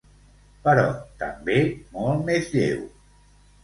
Però també molt més lleu.